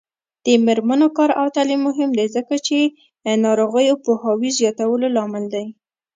د میرمنو کار او تعلیم مهم دی ځکه چې ناروغیو پوهاوي زیاتولو لامل دی.